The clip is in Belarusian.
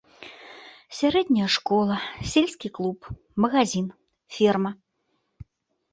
Сярэдняя школа, сельскі клуб, магазін, ферма.